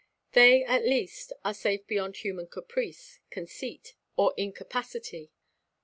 They at least are safe beyond human caprice, conceit, or incapacity.